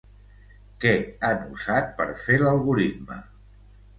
Què han usat per fer l'algoritme?